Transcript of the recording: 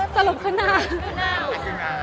สรุปเครื่องหน้า